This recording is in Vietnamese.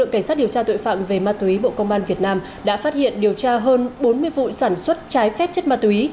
cảnh sát điều tra tội phạm về ma túy bộ công an việt nam đã phát hiện điều tra hơn bốn mươi vụ sản xuất trái phép chất ma túy